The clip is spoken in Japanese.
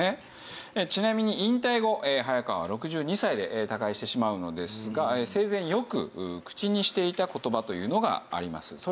ちなみに引退後早川は６２歳で他界してしまうのですが生前よく口にしていた言葉というのがあります。